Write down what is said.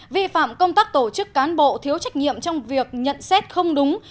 vi phạm công tác tổ chức cán bộ thiếu trách nhiệm trong việc nhận xét không đúng